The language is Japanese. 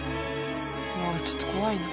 あっちょっと怖いな。